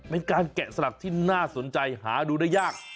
เป็นการแกะสลักที่น่าสนใจหาดูได้ยาก